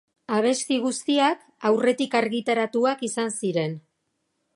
Abesti guztiak aurretik argitaratuak izan ziren.